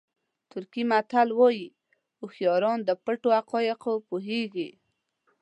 ترکي متل وایي هوښیاران د پټو حقایقو پوهېږي.